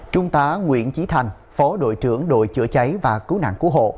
trung tá nguyễn trí thành phó đội trưởng đội chữa cháy và cứu nạn cứu hộ